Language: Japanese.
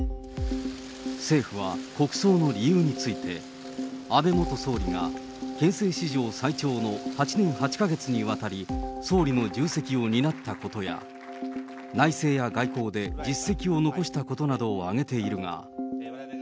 政府は国葬の理由について、安倍元総理が憲政史上最長の８年８か月にわたり、総理の重責を担ったことや、内政や外交で実績を残したことなどを挙げているが。